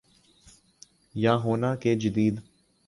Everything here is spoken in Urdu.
یا ہونا کہ جدید